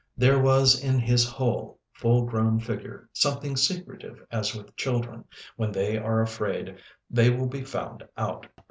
There was in his whole, full grown figure something secretive as with children, when they are afraid they will be found out.